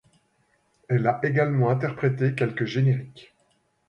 Elle a également interprété quelques génériques.